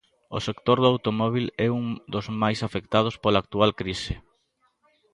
O sector do automóbil é un dos máis afectados pola actual crise.